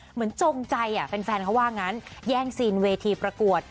เหมือนจงใจอ่ะเป็นแฟนเขาว่างั้นแย่งซีนเวทีประกวด